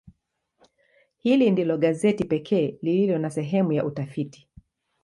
Hili ndilo gazeti pekee lililo na sehemu ya utafiti.